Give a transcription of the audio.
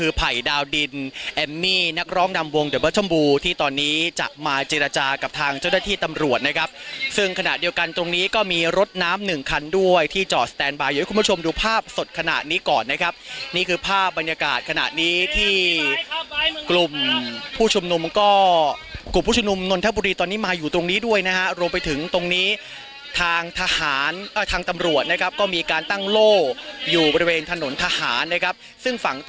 นี่นักร้องดำวงเดียวเบอร์ชมบูที่ตอนนี้จะมาเจรจากับทางเจ้าหน้าที่ตำรวจนะครับซึ่งขณะเดียวกันตรงนี้ก็มีรถน้ำหนึ่งคันด้วยที่จอสแตนบายอยู่ให้คุณผู้ชมดูภาพสดขณะนี้ก่อนนะครับนี่คือภาพบรรยากาศขณะนี้ที่กลุ่มผู้ชุมหนุ่มก็กลุ่มผู้ชุมหนุ่มนทบุรีตอนนี้มาอยู่ตรงนี้ด้วยนะฮะรวมไปถ